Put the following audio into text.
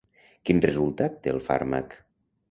Quin resultat té el fàrmac?